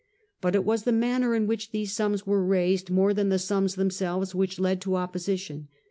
But it was Method of the manner in which these sums were raised, collection, more than the sums themselves, which led to opposition.